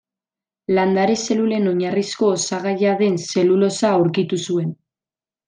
Landare-zelulen oinarrizko osagaia den zelulosa aurkitu zuen.